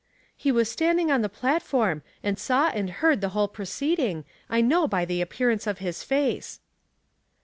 "He was standing on the platform, and saw and heard the whole proceeding, I know by the appearance of his face."